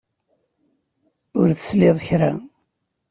Ur telsiḍ kra.